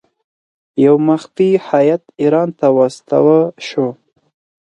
یو مخفي هیات ایران ته واستاوه شو.